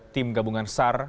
tim gabungan sar